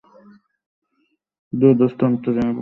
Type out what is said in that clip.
দুরুদুরু অন্তরে Abu Zar মক্কায় পৌঁছলেন।